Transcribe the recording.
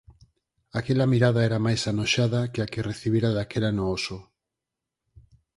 Aquela mirada era máis anoxada que a que recibira daquela no Oso.